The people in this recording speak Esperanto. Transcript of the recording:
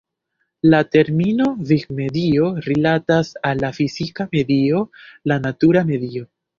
La termino "vivmedio" rilatas al la fizika medio, la natura medio.